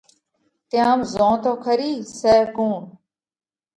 تيام زون تو کرِي سئہ ڪُوڻ؟